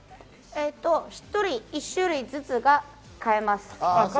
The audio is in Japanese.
一人１種類ずつが買えます。